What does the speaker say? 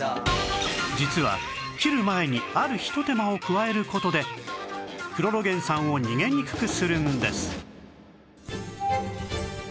実は切る前にあるひと手間を加える事でクロロゲン酸を逃げにくくするんです